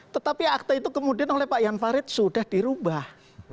tetapi akte itu kemudian oleh pak jan farid sudah dirubah